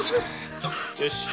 よし。